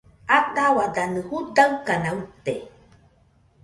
Ataua danɨ judaɨkana uite